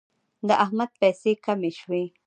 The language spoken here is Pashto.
د احمد پیسې کمې شوې.